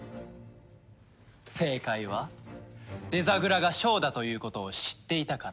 正解はデザグラがショーだということを知っていたから。